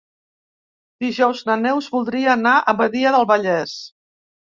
Dijous na Neus voldria anar a Badia del Vallès.